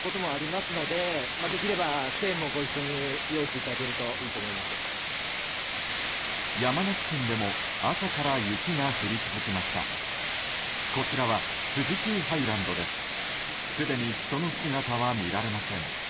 すでに人の姿は見られません。